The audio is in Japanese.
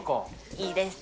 いいです。